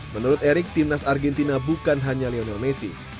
menurut erik timnas argentina bukan hanya lionel messi